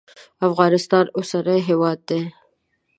افغانستان اوسنی هیواد دی.